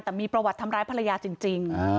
แต่มีประวัติทำร้ายภรรยาจริง